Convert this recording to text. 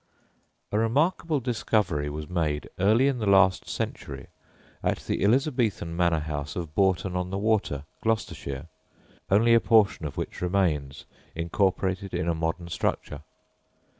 A remarkable discovery was made early in the last century at the Elizabethan manor house of Bourton on the Water, Gloucestershire, only a portion of which remains incorporated in a modern structure.